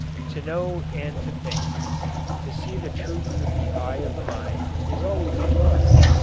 "To know and to think, to see the truth with the eye of the mind, is always a joy.